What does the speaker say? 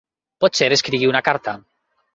Potser escrigui una carta.